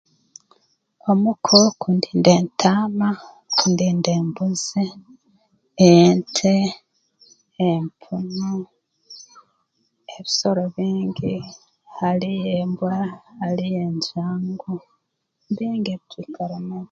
Omuka oku ndinda entaama ndinda embuzi nte empunu ebisoro bingi haliyo embwa haliyo enjangu bingi ebitwikara nabyo